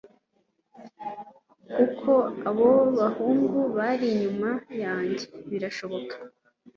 kuki abo bahungu bari inyuma yanjye. birashoboka